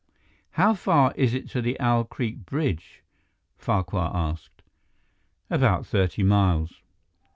"How far is it to the Owl Creek bridge?" Farquhar asked. "About thirty miles."